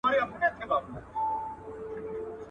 همداسي د رسول اکرم صلی الله عليه وسلم احاديث سته.